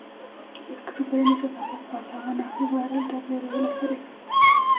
Los que superen esta etapa pasaban a jugar al tablero de las parejas.